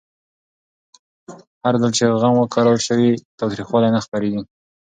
هرځل چې زغم وکارول شي، تاوتریخوالی نه خپرېږي.